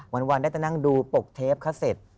วันได้แต่นั่งดูปกเทปเขาเสร็จ